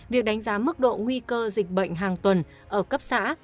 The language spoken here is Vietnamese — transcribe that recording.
việc đánh giá mức độ nguy cơ dịch bệnh hàng tuần ở cấp xã